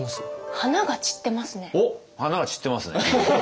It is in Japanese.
花が散ってますね。